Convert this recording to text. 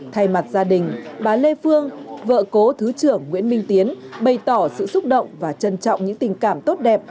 thay mặt gia đình bà lê phương vợ cố thứ trưởng nguyễn minh tiến bày tỏ sự xúc động và trân trọng những tình cảm tốt đẹp